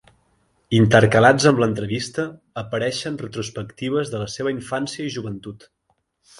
Intercalats amb l'entrevista, apareixen retrospectives de la seva infància i joventut.